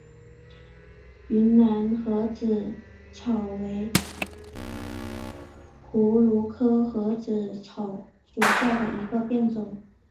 云南盒子草为葫芦科盒子草属下的一个变种。